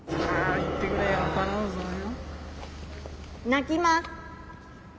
鳴きます！